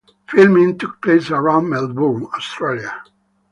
Filming took place around Melbourne, Australia.